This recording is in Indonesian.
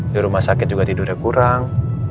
di rumah sakit juga tidurnya kurang